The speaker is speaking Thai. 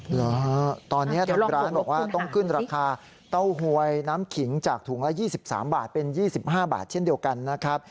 เหรอตอนนี้ทางร้านบอกว่าต้องขึ้นราคาเต้าหวยน้ำขิงจากถุงละ๒๓บาทเป็น๒๕บาทเช่นเดียวกันนะครับ